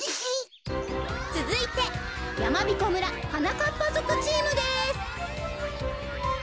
つづいてやまびこ村はなかっぱぞくチームです。